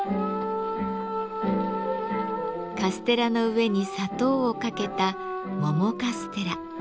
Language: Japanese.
カステラの上に砂糖をかけた「桃カステラ」。